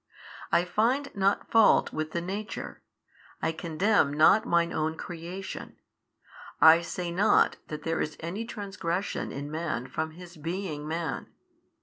I find not fault with |570 the nature, I condemn not Mine Own creation, I say not that there is any transgression in man from his being man.